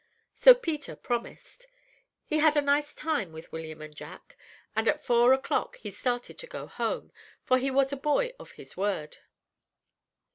"So Peter promised. He had a nice time with William and Jack, and at four o'clock he started to go home; for he was a boy of his word.